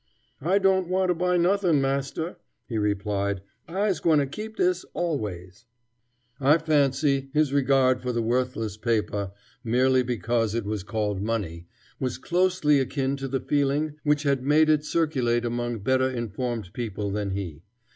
"I don' want to buy nothin', master," he replied. "I's gwine to keep dis al_ways_." I fancy his regard for the worthless paper, merely because it was called money, was closely akin to the feeling which had made it circulate among better informed people than he.